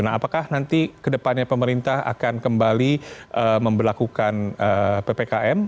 nah apakah nanti ke depannya pemerintah akan kembali memperlakukan ppkm